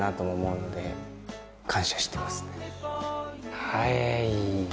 はい。